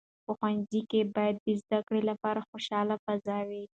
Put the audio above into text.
په ښوونځیو کې باید د زده کړې لپاره خوشاله فضا وي.